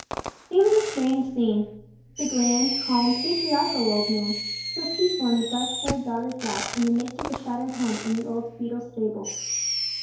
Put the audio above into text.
It was a strange scene—the grand, calm, patriarchal old man, so peaceful on his dark haired daughter's lap in the midst of the shattered home in the old feudal stable.